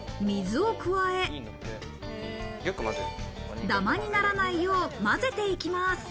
水を加え、ダマにならないよう、混ぜて行きます。